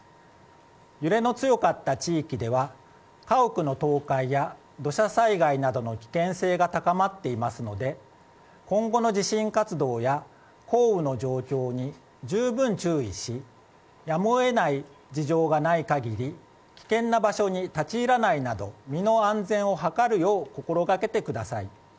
揺れの強かった地域では家屋の倒壊や土砂災害などの危険性が高まっていますので今後の地震活動や降雨の状況に十分、注意しやむを得ない事情がない限り危険な場所に立ち入らないなど身の安全を図るよう心がけてください。